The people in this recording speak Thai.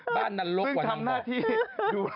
บ้านนรกตรงนั้นเสร็จ